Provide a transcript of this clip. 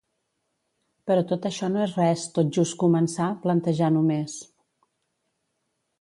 Però tot això no és res, tot just començar, plantejar només.